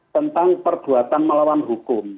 tentang perbuatan melawan hukum